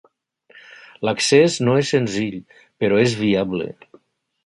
L'accés no és senzill, però és viable.